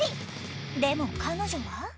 でも彼女は。